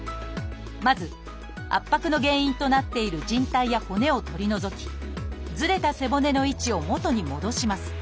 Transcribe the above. まず圧迫の原因となっているじん帯や骨を取り除きずれた背骨の位置を元に戻します。